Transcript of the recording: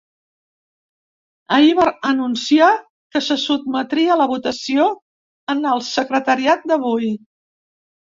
Ahir va anunciar que se sotmetria a la votació en el secretariat d’avui.